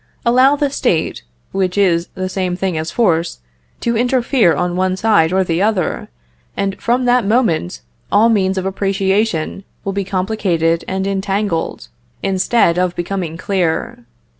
Allow the State, which is the same thing as force, to interfere on one side or the other, and from that moment all the means of appreciation will be complicated and entangled, instead of becoming clear.